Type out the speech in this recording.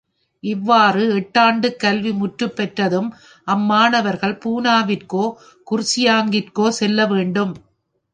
இவ்வாறு எட்டாண்டுக் கல்வி முற்றுப் பெற்றதும், அம்மாணவர்கள் பூனாவிற்கோ, குர்சியாங்கிற்கோ செல்ல வேண்டும்.